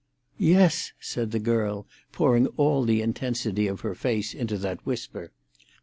"Yes!" said the girl, pouring all the intensity of her face into that whisper.